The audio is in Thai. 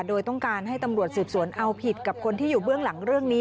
โดยต้องการให้ตำรวจสืบสวนเอาผิดกับคนที่อยู่เบื้องหลังเรื่องนี้